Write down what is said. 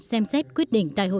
xem xét quyết định tại hội